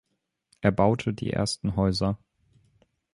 Er baute die ersten Häuser.